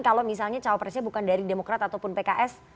kalau misalnya cawapresnya bukan dari demokrat ataupun pks